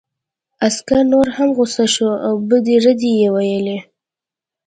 عسکر نور هم غوسه شو او بدې ردې یې وویلې